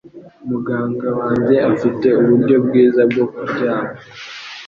Muganga wanjye afite uburyo bwiza bwo kuryama.